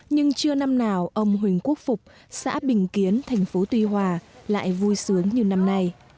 nhưng chưa năm nào ông huỳnh quốc phục xã bình kiến thành phố tuy hòa lại vui sướng như năm nay